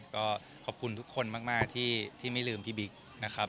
ก็ขอบคุณทุกคนมากที่ไม่ลืมพี่บิ๊กนะครับ